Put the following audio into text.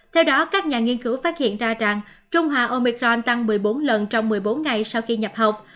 theo đó các nhà nghiên cứu phát hiện ra rằng trung hà omicron tăng một mươi bốn lần trong một mươi bốn ngày sau khi nhập học